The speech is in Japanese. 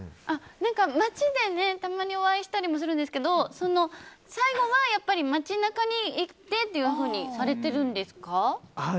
街でたまにお会いしたりするんですが最後は街中に行ってというふうにされてるんですか？